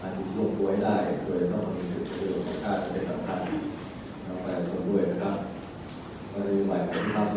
อาจที่ที่โลกกลัวให้ได้มันก็จะต้องมีควบคุยกับสัมภาษณ์ที่เป็นสำคัญ